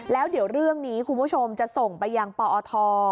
แล้วเดี๋ยวเรื่องนี้คุณผู้ชมจะส่งไปยังปอท